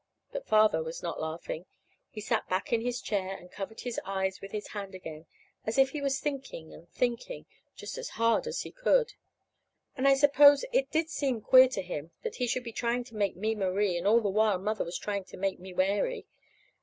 But Father was not laughing. He had sat back in his chair, and had covered his eyes with his hand again, as if he was thinking and thinking, just as hard as he could. And I suppose it did seem queer to him, that he should be trying to make me Marie, and all the while Mother was trying to make me Mary.